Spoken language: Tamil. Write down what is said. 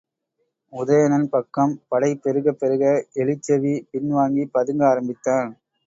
உதயணன் பக்கம் படை பெருகப் பெருக எலிச்செவி, பின்வாங்கிப் பதுங்க ஆரம்பித்தான்.